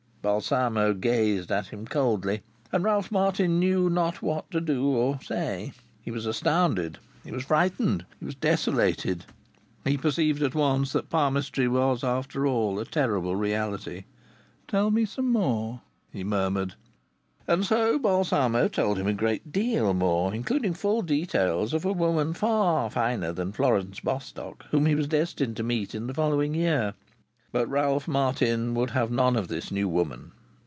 Balsamo gazed at him coldly, and Ralph Martin knew not what to do or to say. He was astounded; he was frightened; he was desolated. He perceived at once that palmistry was after all a terrible reality. "Tell me some more," he murmured. And so Balsamo told him a great deal more, including full details of a woman far finer than Florence Bostock, whom he was destined to meet in the following year. But Ralph Martin would have none of this new woman.